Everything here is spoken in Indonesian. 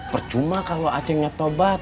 percuma kalo a cengnya tobat